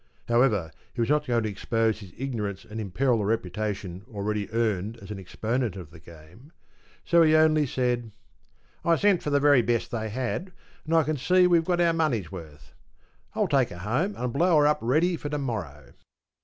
However, he was not going to expose his ignorance and imperil the reputation already earned as an exponent of the game, so he only said,— ‘I sent for the very best they had, and I can see we've got our money's worth. I'll take her home and blow her up ready for to morrow.